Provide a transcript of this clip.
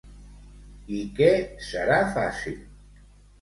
I que serà fàcil?